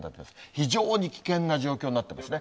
非常に危険な状況になってますね。